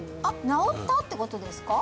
治ったってことですか？